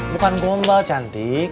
bukan gombal cantik